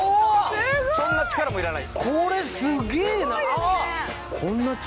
そんな力もいらないです。